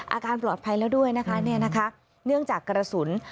อาการปลอดภัยแล้วด้วยนะคะเนื่องจากกระสุน